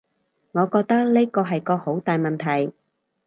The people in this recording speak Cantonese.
我覺得呢個係個好大問題